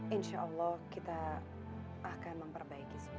insya allah kita akan memperbaiki semua